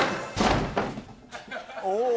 おお。